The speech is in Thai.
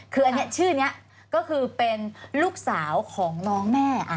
คืออันนี้ชื่อนี้ก็คือเป็นลูกสาวของน้องแม่